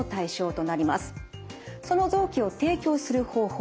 その臓器を提供する方法